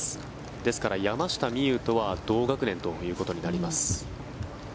ですから、山下美夢有とは同学年となります。